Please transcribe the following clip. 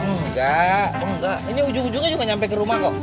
enggak enggak ini ujung ujungnya juga nyampe ke rumah kok